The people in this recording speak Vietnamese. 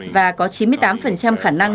và có chín mươi tám khả năng